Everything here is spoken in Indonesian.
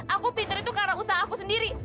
aku pintar itu karena usaha aku sendiri